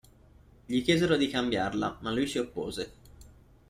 Gli chiesero di cambiarla ma lui si oppose.